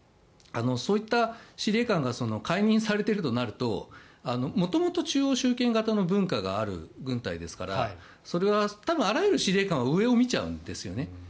そういった司令官が解任されているとなると元々、中央集権型の文化がある軍隊ですからそれは多分、あらゆる司令官は上を見ちゃうんですよね。